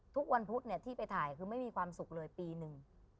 ทุกวันพุธที่ไปถ่ายคือไม่มีความสุขเลยปีหนึ่ง